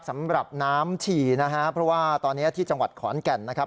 สำหรับน้ำฉี่นะฮะเพราะว่าตอนนี้ที่จังหวัดขอนแก่นนะครับ